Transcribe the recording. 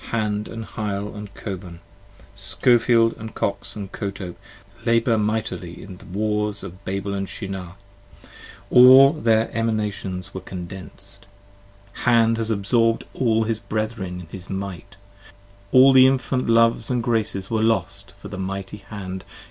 Hand & Hyle & Koban: Skofeld, Kox & Kotope, labour mightily In the Wars of Babel & Shinar; all their Emanations were 6 Condens'd. Hand has absorb'd all his Brethren in his might; 44 All the infant Loves & Graces were lost, for the mighty Hand p.